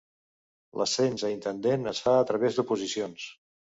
L'ascens a intendent es fa a través d'oposicions.